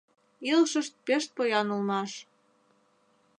Илышышт пеш поян улмаш.